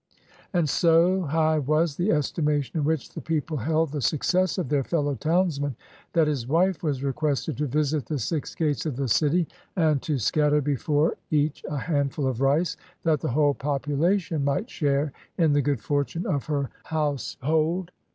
And so high was the estimation in which the people held the success of their fellow townsman that his wife was requested to visit the six gates of the city, and to scatter before each a handful of rice, that the whole population might share in the good fortune of her house hold.